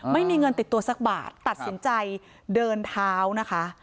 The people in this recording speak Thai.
ไม่มีเงินติดตัวสักบาทตัดสินใจเดินเท้านะคะ